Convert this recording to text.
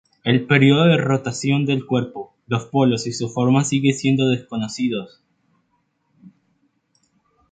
El periodo de rotación del cuerpo, los polos y su forma siguen siendo desconocidos.